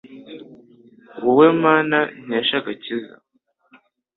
wowe Mana nkesha agakiza